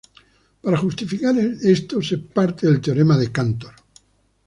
Para justificar esto se parte del teorema de Cantor.